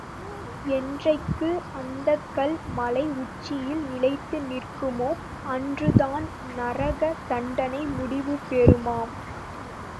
என்றைக்கு அந்தக்கல் மலை உச்சியில் நிலைத்து நிற்குமோ அன்றுதான் நரக தண்டனை முடிவு பெறுமாம்.